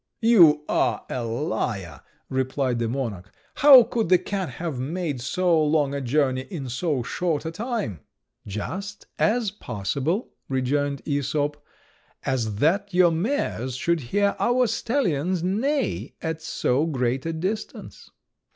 "You are a liar," replied the monarch; "how could the cat have made so long a journey in so short a time?" "Just as possible," rejoined Æsop, "as that your mares should hear our stallions neigh at so great a distance."